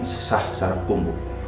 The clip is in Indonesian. sesah secara hukum bu